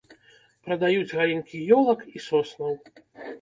Прадаюць галінкі ёлак і соснаў.